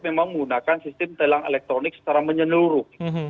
memang menggunakan sistem tilang elektronik secara menyeluruh